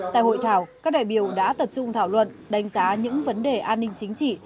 tại hội thảo các đại biểu đã tập trung thảo luận đánh giá những vấn đề an ninh chính trị